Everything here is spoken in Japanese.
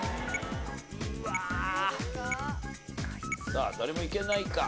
さあ誰もいけないか？